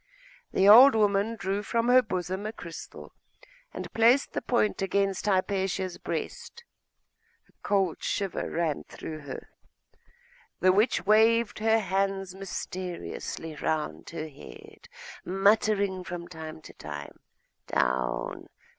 The old woman drew from her bosom a crystal, and placed the point against Hypatia's breast. A cold shiver ran through her.... The witch waved her hands mysteriously round her head, muttering from time to time, 'Down!